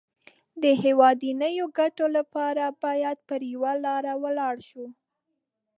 د هېوادنيو ګټو لپاره بايد پر يوه لاره ولاړ شو.